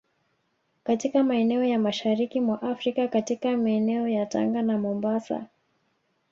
katika maeneo ya Mashariki mwa Afrika katika meeneo ya Tanga na Mombasa